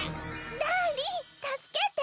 ダーリン助けて。